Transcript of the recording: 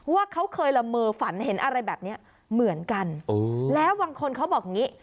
ว่าเขาเคยละเมอฝันเห็นอะไรแบบนี้เหมือนกันแล้วบางคนเขาบอกอย่างนี้